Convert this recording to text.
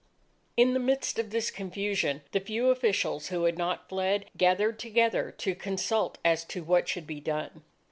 In the midst of this confusion, the few officials who had not fled, gathered together to consult as to what should be done.